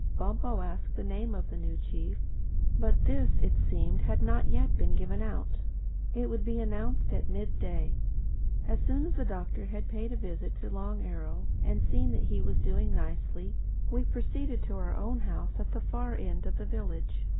Bumpo asked the name of the new chief; but this, it seemed, had not yet been given out. It would be announced at mid day. As soon as the Doctor had paid a visit to Long Arrow and seen that he was doing nicely, we proceeded to our own house at the far end of the village.